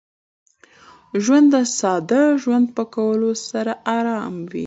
ژوند د ساده ژوند په کولو سره ارام وي.